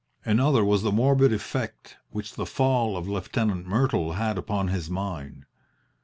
Another was the morbid effect which the fall of Lieutenant Myrtle had upon his mind.